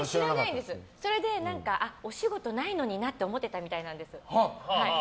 それでお仕事ないのになって思ってたみたいなんです。